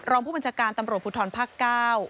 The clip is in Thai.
รองผู้บัญชาการตำรวจภูทรภาคเก้า